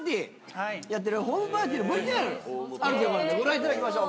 ホームパーティーのＶＴＲあるということなんでご覧いただきましょう。